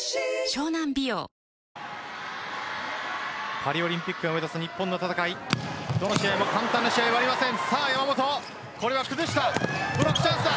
パリオリンピックを目指す日本の戦いどの試合も簡単な試合はありません。